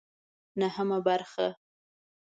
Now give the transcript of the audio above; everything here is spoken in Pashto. نهمه برخه